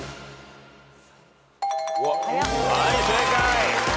はい正解。